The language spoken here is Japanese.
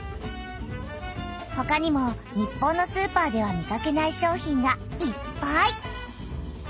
ほかにも日本のスーパーでは見かけない商品がいっぱい！